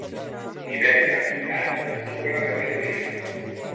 Libertas Milano mantuvo la categoría.